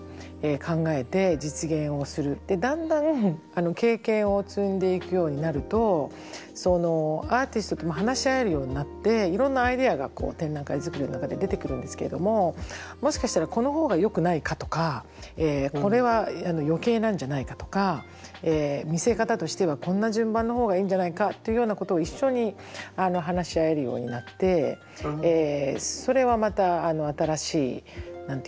だんだん経験を積んでいくようになるとアーティストとも話し合えるようになっていろんなアイデアが展覧会作りの中で出てくるんですけれどももしかしたらこのほうがよくないかとかこれは余計なんじゃないかとか見せ方としてはこんな順番のほうがいいんじゃないかというようなことを一緒に話し合えるようになってそれはまた新しい何て言うのかな？